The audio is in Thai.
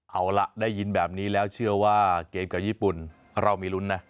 เอาล่ะได้ยินแบบนี้แล้วเชื่อว่าเกมกับญี่ปุ่นเรามีลุ้นนะ